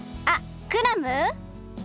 あっクラム？